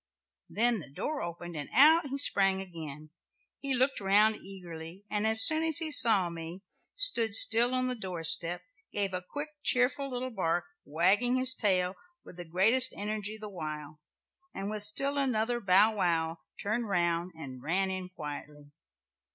then the door opened and out he sprang again. He looked round eagerly, and as soon as he saw me stood still on the doorstep, gave a quick cheerful little bark, wagging his tail with the greatest energy the while, and with still another 'bow wow,' turned round and ran in quietly.